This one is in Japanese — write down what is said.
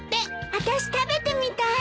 あたし食べてみたい。